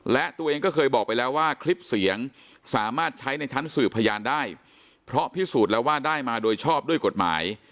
และตัวเองก็เคยบอกไปแล้วว่าคลิปเสียงสามารถใช้ในชั้นสืบพยานได้เพราะพิสูจน์แล้วว่าได้มาโดยชอบด้วยกฎหมาย